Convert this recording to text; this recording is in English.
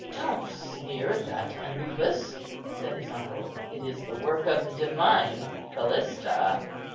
"Don't sneer at that Anubis," said his uncle; "it is the work of the divine Callista."